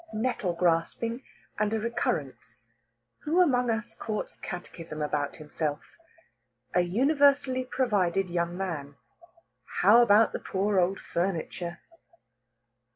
NETTLE GRASPING, AND A RECURRENCE. WHO AMONG US COURTS CATECHISM ABOUT HIMSELF? A UNIVERSALLY PROVIDED YOUNG MAN. HOW ABOUT THE POOR OLD FURNITURE?